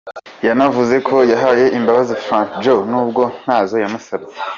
Yanavuze ko yahaye imbabazi Frankie Joe nubwo ntazo yamusabye.